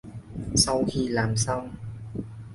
Sau khi làm xong